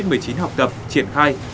covid một mươi chín học tập triển khai